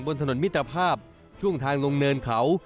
บนถนนมิตรภาพช่วงทางลงเนินเขา